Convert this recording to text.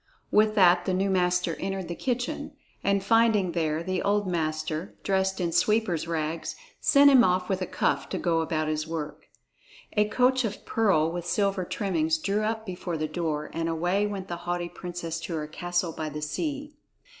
With that the new master entered the kitchen, and finding there the old master dressed in sweeper's rags, sent him off with a cuff to go about his work. A coach of pearl with silver trimmings drew up before the door, and away went the haughty princess to her castle by the sea.